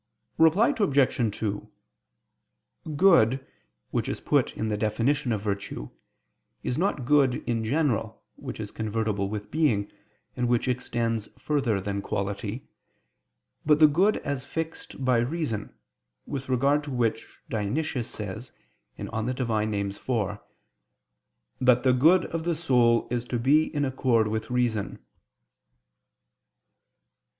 Reply Obj. 2: Good, which is put in the definition of virtue, is not good in general which is convertible with being, and which extends further than quality, but the good as fixed by reason, with regard to which Dionysius says (Div. Nom. iv) "that the good of the soul is to be in accord with reason."